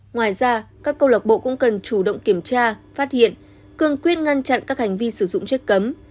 ngoài ra các cầu lộc bộ cũng cần chủ động kiểm tra phát hiện cường quyết ngăn chặn các hành vi sử dụng chất cấm